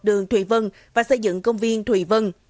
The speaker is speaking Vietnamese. đường thùy vân và xây dựng công viên thùy vân